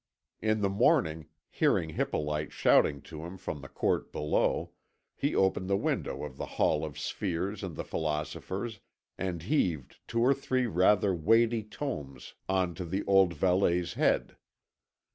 In the morning, hearing Hippolyte shouting to him from the court below, he opened the window of the Hall of the Spheres and the Philosophers, and heaved two or three rather weighty tomes on to the old valet's head.